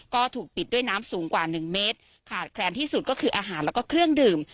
ก็ถูกปิดด้วยน้ำสูงกว่าหนึ่งเมตรขาดแคลนที่สุดก็คืออาหารแล้วก็เครื่องดื่ม